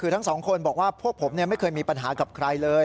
คือทั้งสองคนบอกว่าพวกผมไม่เคยมีปัญหากับใครเลย